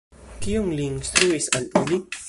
Kion li instruis al ili?